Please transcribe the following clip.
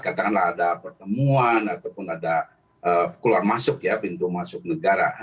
katakanlah ada pertemuan ataupun ada keluar masuk ya pintu masuk negara